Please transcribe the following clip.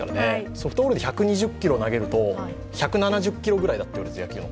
ソフトボールって１２０キロ投げると１７０キロぐらいといわれる、野球の。